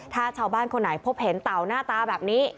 ถ้าชาวบ้านคนไหนพบเห็นเต่าหน้าตาแบบนี้